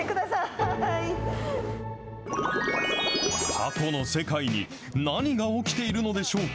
タコの世界に何が起きているのでしょうか。